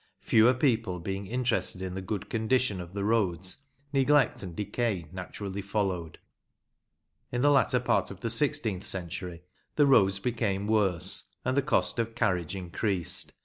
Fewer people being interested in the good condition of the roads, neglect and decay naturally followed. In the latter part of the sixteenth century the roads became worse, and the cost of carriage increased.